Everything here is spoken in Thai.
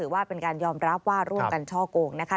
ว่าเป็นการยอมรับว่าร่วมกันช่อโกงนะคะ